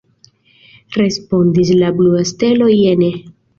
Respondis la blua stelo jene.